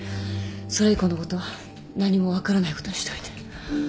それ以降のことは何も分からないことにしといて。